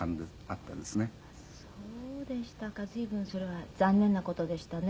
あっそうでしたか。